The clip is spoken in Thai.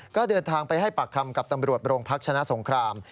ก็เดินทางไปให้ปากคำกับตำรวจโรงพักชนะสงคราม